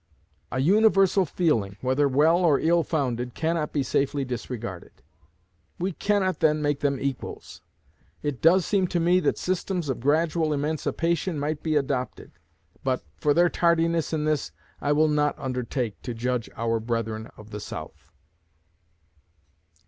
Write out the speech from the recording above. A universal feeling, whether well or ill founded, cannot be safely disregarded. We cannot then make them equals. It does seem to me that systems of gradual emancipation might be adopted; but, for their tardiness in this, I will not undertake to judge our brethren of the South.